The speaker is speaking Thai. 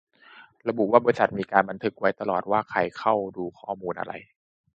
ระบุว่าบริษัทมีการบันทึกไว้ตลอดว่าใครเข้าดูข้อมูลอะไร